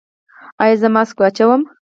ایا زه ماسک واچوم؟